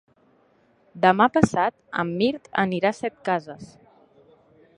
Demà passat en Mirt anirà a Setcases.